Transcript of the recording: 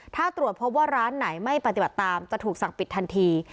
ถ้าตรวจพบว่าร้านไหนไม่ปฏิบัติตามจะถูกสั่งปิดทันที